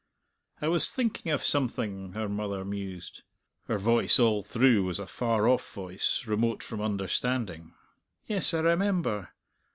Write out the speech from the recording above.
"I was thinking of something," her mother mused. Her voice all through was a far off voice, remote from understanding. "Yes, I remember.